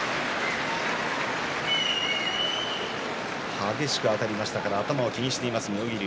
激しくあたりましたから頭も気にしています、妙義龍。